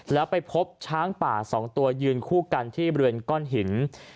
แล้วไปพบช้างป่า๒ตัวยืนคู่กันที่บริเวณก้อนหิน